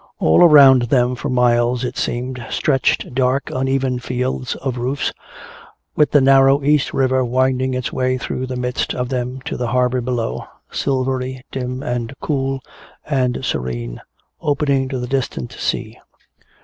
All around them for miles, it seemed, stretched dark uneven fields of roofs, with the narrow East River winding its way through the midst of them to the harbor below, silvery, dim and cool and serene, opening to the distant sea.